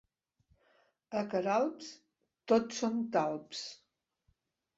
A Queralbs, tots són talps.